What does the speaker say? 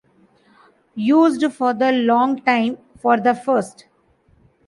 Used for the long time for the first.